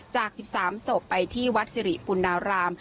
จาก๑๓ศพไปที่วัดสิริปุณาราม